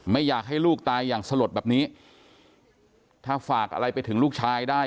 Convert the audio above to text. ไม่อยากให้ลูกตายอย่างสลดแบบนี้ถ้าฝากอะไรไปถึงลูกชายได้